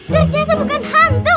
ternyata bukan hantu